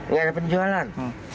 nggak ada penjualan